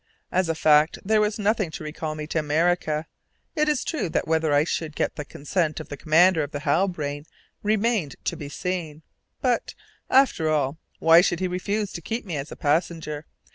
As a fact there was nothing to recall me to America. It is true that whether I should get the consent of the commander of the Halbrane remained to be seen; but, after all, why should he refuse to keep me as a passenger?